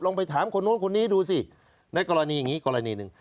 ไปถามคนนู้นคนนี้ดูสิในกรณีอย่างนี้กรณีหนึ่ง